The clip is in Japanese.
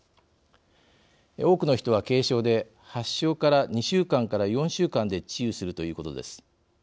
多くの人は軽症で発症から２週間から４週間で治癒するということです。